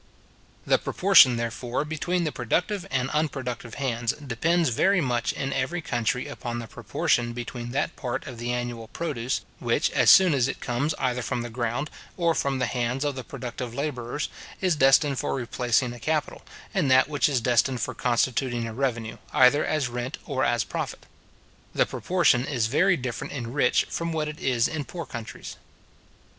The proportion, therefore, between the productive and unproductive hands, depends very much in every country upon the proportion between that part of the annual produce, which, as soon as it comes either from the ground, or from the hands of the productive labourers, is destined for replacing a capital, and that which is destined for constituting a revenue, either as rent or as profit. This proportion is very different in rich from what it is in poor countries.